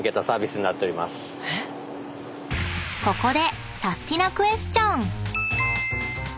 ［ここで］